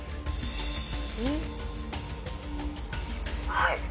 はい。